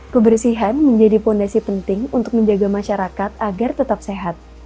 kebersihan menjadi fondasi penting untuk menjaga masyarakat agar tetap sehat